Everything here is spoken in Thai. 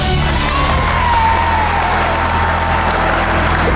ถูกถูก